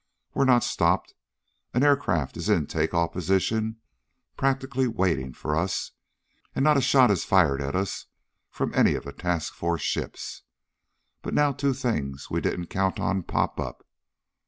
We're not stopped, an aircraft is in take off position practically waiting for us, and not a shot is fired at us from any of the task force ships. But now two things we didn't count on pop up.